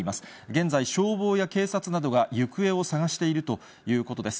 現在、消防や警察などが行方を捜しているということです。